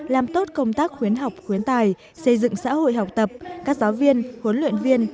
làm tốt công tác khuyến học khuyến tài xây dựng xã hội học tập các giáo viên huấn luyện viên